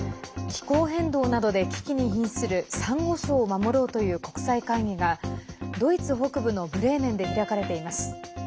気候変動などで危機にひんするさんご礁を守ろうという国際会議がドイツ北部のブレーメンで開かれています。